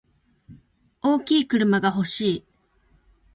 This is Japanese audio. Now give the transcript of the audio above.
大きい車が欲しい。